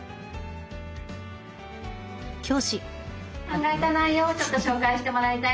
考えた内容をちょっと紹介してもらいたいなと思います